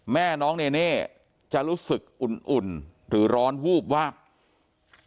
แม่น้องเนเน่จะรู้สึกอุ่นหรือร้อนวูบวาบ